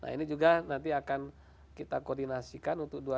nah ini juga nanti akan kita koordinasikan untuk dua ribu dua puluh